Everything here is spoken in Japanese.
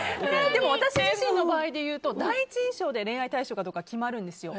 でも私自身の場合でいうと第一印象で恋愛対象かどうかは決まるんですよ。